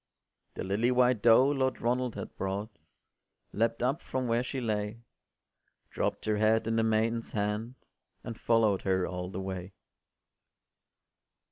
The lily white doe Lord Ronald had brought Leapt up from where she lay, Dropt her head in the maiden’s hand, And follow’d her all the way.